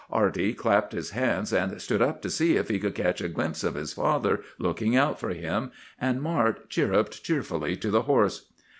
Arty clapped his hands, and stood up to see if he could catch a glimpse of his father looking out for him; and Mart chirruped cheerfully to the horse.